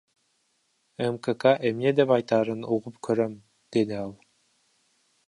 МКК эмне деп айтаарын угуп көрөм, — деди ал.